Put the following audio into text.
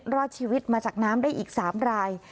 รอดชีวิตมาจากน้ำได้อีก๓ราย